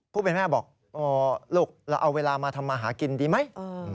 ผู้เป็นแม่บอกลูกเราเอาเวลามาทำมาหากินดีไหม